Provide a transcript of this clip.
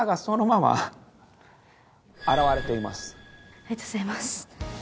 ありがとうございます。